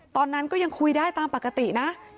ตอนนั้นก็ยังคุยได้ตามปกตินะ